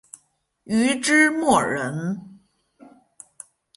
禹之谟人。